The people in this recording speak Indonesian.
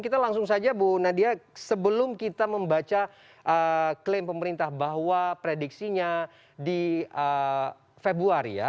kita langsung saja bu nadia sebelum kita membaca klaim pemerintah bahwa prediksinya di februari ya